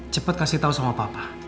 cepet kasih tau sama papa